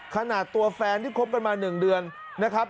ขนาดตัวแฟนที่คบกันมา๑เดือนนะครับ